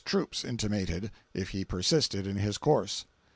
troops intimated, if he persisted in his course.